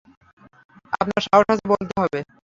আপনার সাহস আছে বলতে হবে।